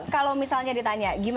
kalau misalnya ditanya